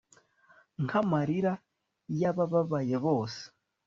Nka marira yabababaye bose